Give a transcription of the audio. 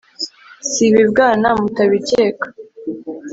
Si ibibwana mutabikeka!